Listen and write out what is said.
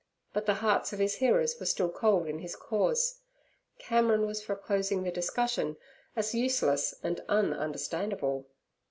But the hearts of his hearers were still cold in his cause. Cameron was for closing the discussion as useless and ununderstandable.